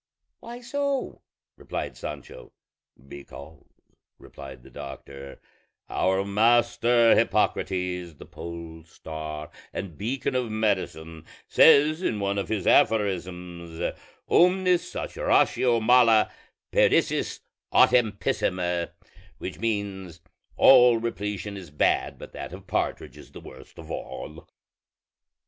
"Why so?" said Sancho. "Because," replied the doctor, "our master Hippocrates, the pole star and beacon of medicine, says in one of his aphorisms, Omnis saturatio mala, perdicis autem pessima; which means, 'All repletion is bad, but that of partridge is the worst of all.'"